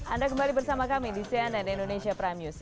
anda kembali bersama kami di cnn indonesia prime news